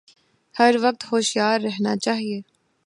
ہر وقت ہوشیار رہنا چاہیے